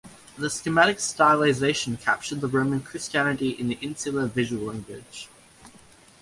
The schematic stylization captured the Roman Christianity in the Insular visual language.